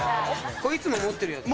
これいつも持ってるやつ？